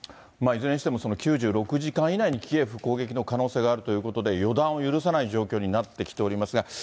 いずれにしても、９６時間以内にキエフ攻撃の可能性があるということで、予断を許さない状況になってきておりますが。